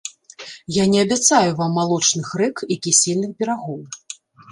Я не абяцаю вам малочных рэк і кісельных берагоў!